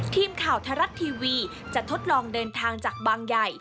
ทีมข่าวไทยรัฐทีวีจะทดลองเดินทางจากบางใหญ่